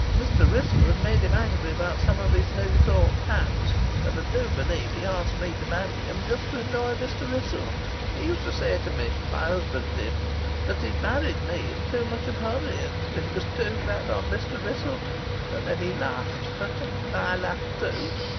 Mr. Wrissell had made him angry about some of his New Thought fads, and I do believe he asked me to marry him just to annoy Mr. Wrissell. He used to say to me, my husband did, that he'd married me in too much of a hurry, and that it was too bad on Mr. Wrissell. And then he laughed, and I laughed too.